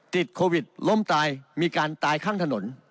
ติดโควิดล้มตายมีการตายข้างถนน